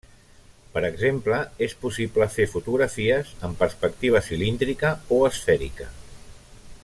Per exemple, és possible fer fotografies amb perspectiva cilíndrica o esfèrica.